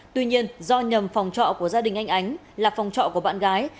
tuy nhiên do nhầm phòng trọ của gia đình anh ánh là phòng trọ của bạn gái